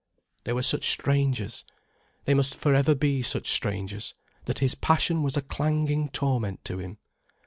They were such strangers, they must for ever be such strangers, that his passion was a clanging torment to him.